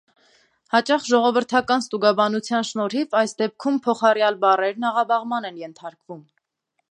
Հաճախ ժողովրդական ստուգաբանության շնորհիվ այս դեպքում փոխառյալ բառերն աղավաղման են ենթարկվում։